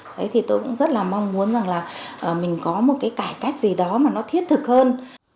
thế thì tôi cũng rất là mong muốn rằng là mình có một cái cải cách gì đó mà nó thiết thực hơn